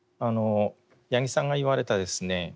八木さんが言われたですね